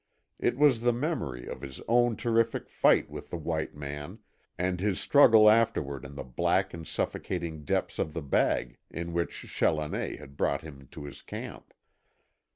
It was the memory of his own terrific fight with the white man, and his struggle afterward in the black and suffocating depths of the bag in which Challoner had brought him to his camp.